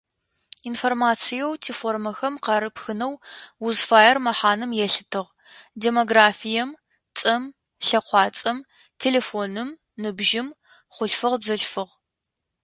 Информациеу тиформэхэм къарыпхынэу узфаер мэхьанэм елъытыгъ; демографием, цӏэм, лъэкъуацӏэм, телефоным, ныбжьым, хъулъфыгъ-бзылъфыгъ.